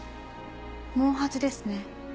毛髪ですね。